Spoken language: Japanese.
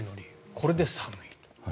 これで寒い。